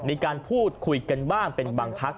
มีการพูดคุยกันบ้างเป็นบางพัก